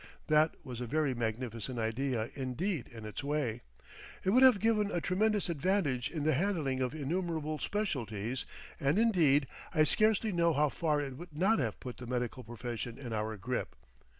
That was a very magnificent idea indeed in its way; it would have given a tremendous advantage in the handling of innumerable specialties and indeed I scarcely know how far it would not have put the medical profession in our grip.